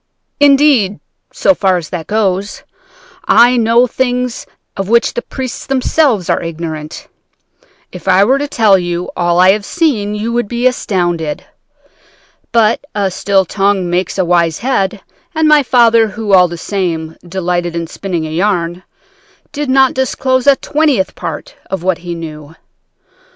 Indeed, so far as that goes, I know things of which the priests themselves are ignorant. If I were to tell you all I have seen, you would be astounded. But a still tongue makes a wise head, and my father, who, all the same, delighted in spinning a yarn, did not disclose a twentieth part of what he knew.